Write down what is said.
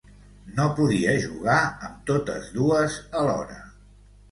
No podia jugar amb totes dues alhora.